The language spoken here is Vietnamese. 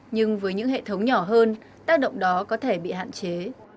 nhưng với những hệ thống nhỏ hơn tác động đó có thể bị hạn chế